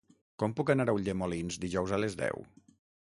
Com puc anar a Ulldemolins dijous a les deu?